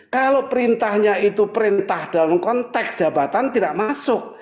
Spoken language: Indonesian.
kalau perintahnya itu perintah dalam konteks jabatan tidak masuk